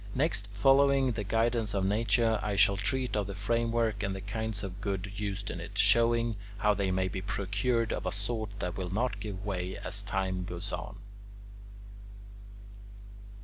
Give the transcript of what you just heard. Next, following the guidance of Nature, I shall treat of the framework and the kinds of wood used in it, showing how they may be procured of a sort that will not give way as time goes on.